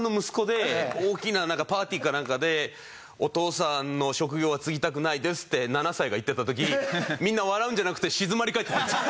大きなパーティーかなんかでお父さんの職業は継ぎたくないですって７歳が言ってた時にみんな笑うんじゃなくて。